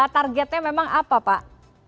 targetnya memang apa pak